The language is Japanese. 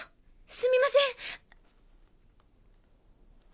すみません！